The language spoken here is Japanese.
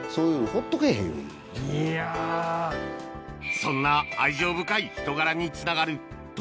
そんな愛情深い人柄につながる答